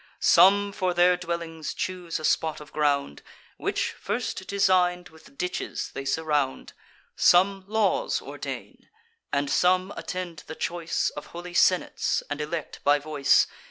Some for their dwellings choose a spot of ground, Which, first design'd, with ditches they surround. Some laws ordain; and some attend the choice Of holy senates, and elect by voice.